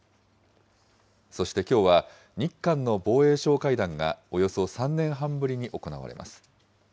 そしてきょうは、日韓の防衛相会談がおよそ３年半ぶりに行われます。